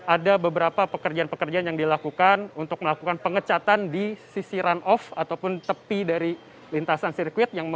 ada beberapa pekerjaan pekerjaan yang dilakukan untuk melakukan pengecatan di sisi run off ataupun tepi dari lintasan sirkuit